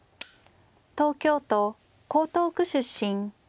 東京都江東区出身。